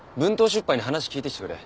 出版に話聞いてきてくれ。